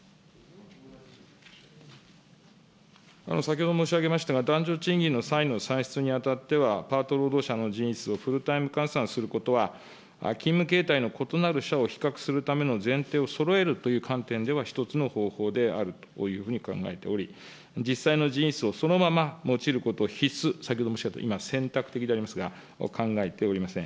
先ほど申し上げましたが、男女賃金の差異の算出にあたっては、パート労働者の人員数をフルタイム換算することは、勤務形態の異なる社を比較するための前提をそろえるという観点では一つの方法であるというふうに考えており、実際の人員数をそのまま用いることを必須、先ほどもおっしゃった、今、選択的でありますが、考えておりません。